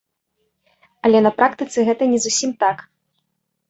Але на практыцы гэта не зусім так.